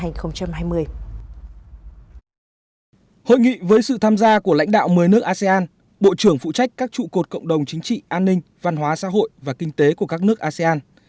hội nghị với sự tham gia của lãnh đạo một mươi nước asean bộ trưởng phụ trách các trụ cột cộng đồng chính trị an ninh văn hóa xã hội và kinh tế của các nước asean